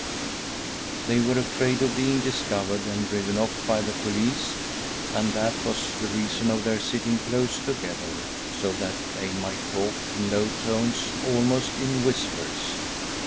They were afraid of being discovered and driven off by the police, and that was the reason of their sitting close together, so that they might talk in low tones, almost in whispers.